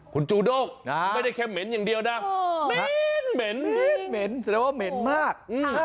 คุณจูด้งไม่ได้แค่เหม็นอย่างเดียวนะเหม็นแสดงว่าเหม็นมาก